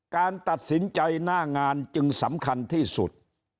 การตัดสินใจหน้างานจึงสำคัญที่สุด